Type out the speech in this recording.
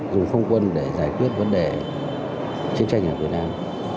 dùng không quân để giải quyết vấn đề chiến tranh ở việt nam